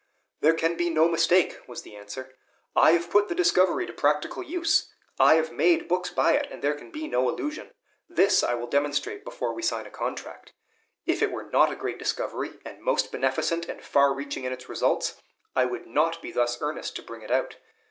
"There can be no mistake," was the answer. "I have put the discovery to practical use; I have made books by it, and there can be no illusion. This I will demonstrate before we sign a contract. If it were not a great discovery, and most beneficent and far reaching in its results, I would not be thus earnest to bring it out.